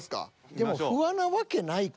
でもフワなわけないか。